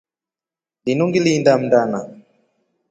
Linu ngilinda mndana.